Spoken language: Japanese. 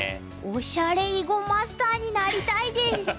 おしゃれ囲碁マスターになりたいです！